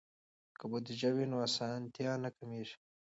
که بودیجه وي نو اسانتیا نه کمېږي.